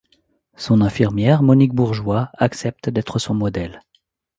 Son infirmière, Monique Bourgeois, accepte d'être son modèle.